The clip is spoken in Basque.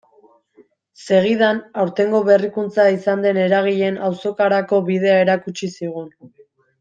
Segidan, aurtengo berrikuntza izan den eragileen azokarako bidea erakutsi zigun.